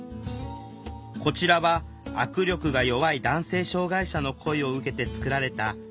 こちらは握力が弱い男性障害者の声を受けて作られた補助器具。